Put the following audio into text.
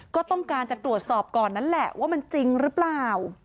ก็ต้องการจะตรวจสอบก่อนนั้นแหละว่ามันจริงหรือเปล่า